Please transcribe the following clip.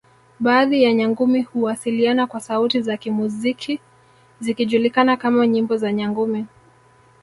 Baadhi ya Nyangumi huwasiliana kwa sauti za kimuziki zikijulikana kama nyimbo za Nyangumi